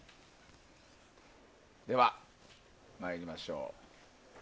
では参りましょう。